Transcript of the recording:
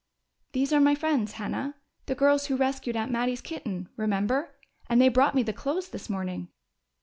"These are my friends, Hannah. The girls who rescued Aunt Mattie's kitten remember? And they brought me the clothes this morning."